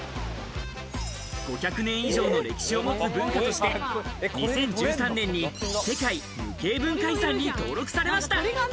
５００年以上の歴史を持つ文化として、２０１３年に世界無形文化遺産に登録されました。